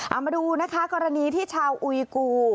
เอามาดูนะคะกรณีที่ชาวอุยกู